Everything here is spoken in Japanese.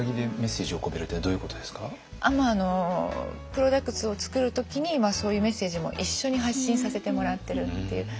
プロダクツを作る時にそういうメッセージも一緒に発信させてもらってるっていう。